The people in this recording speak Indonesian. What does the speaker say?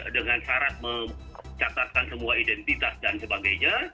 dengan syarat mencatatkan semua identitas dan sebagainya